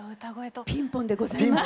ピンポンでございます。